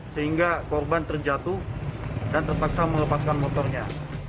sehingga korban terjatuh dan terpaksa melepaskan motornya